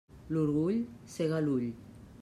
L'orgull cega l'ull.